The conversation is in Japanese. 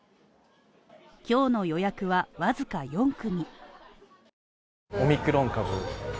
今日の予約はわずか４組。